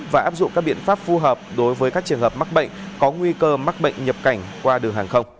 và áp dụng các biện pháp phù hợp đối với các trường hợp mắc bệnh có nguy cơ mắc bệnh nhập cảnh qua đường hàng không